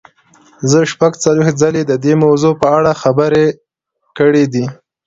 زه شپږ څلوېښت ځلې د دې موضوع په اړه خبرې کړې دي.